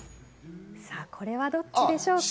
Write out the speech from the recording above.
これはどっちでしょうか。